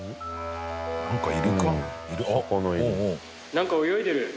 なんか泳いでる。